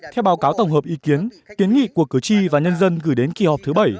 theo báo cáo tổng hợp ý kiến kiến nghị của cử tri và nhân dân gửi đến kỳ họp thứ bảy